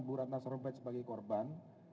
bu ranta serebet sebagai korban